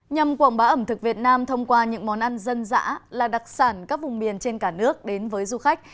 nhằm quảng bá ẩm thực việt nam thông qua những món ăn dân dã là đặc sản các vùng miền trên cả nước đến với du khách